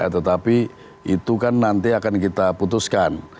tetapi itu kan nanti akan kita putuskan